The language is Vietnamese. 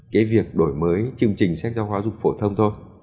cái việc đổi mới chương trình sách giáo dục phổ thông thôi